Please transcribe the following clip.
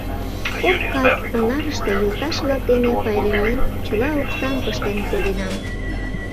Кок кас «Онарыште» йолташ-влак дене пайремлен, чыла оксам пыштен коденам.